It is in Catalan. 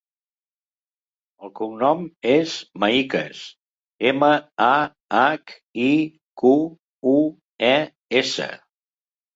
El cognom és Mahiques: ema, a, hac, i, cu, u, e, essa.